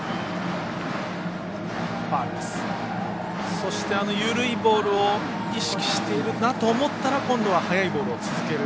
そして、緩いボールを意識しているなと思ったら今度は速いボールを続ける。